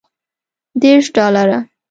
دېرش ډالره.